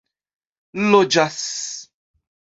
loĝas